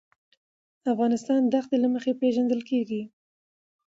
افغانستان د ښتې له مخې پېژندل کېږي.